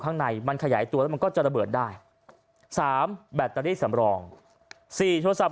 ข้างในมันขยายตัวแล้วมันก็จะระเบิดได้๓แบตเตอรี่สำรอง๔โทรศัพท์